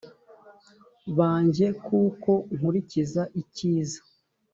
banjye kuko nkurikiza icyiza